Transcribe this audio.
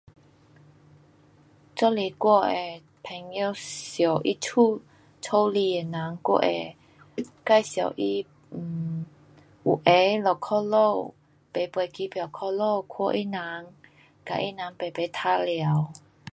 若是我的朋友想他家，家里的人，我会介绍他 um 有闲就回家，就买飞机票回去看他人，跟他人排排玩耍。